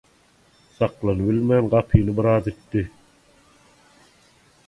Saklanybilmän gapyny biraz itdi.